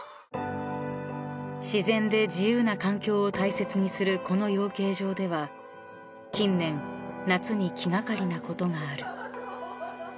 ［自然で自由な環境を大切にするこの養鶏場では近年夏に気掛かりなことがある］